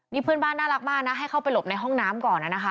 นี่เพื่อนบ้านน่ารักมากนะให้เข้าไปหลบในห้องน้ำก่อนนะคะ